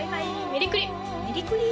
メリクリ！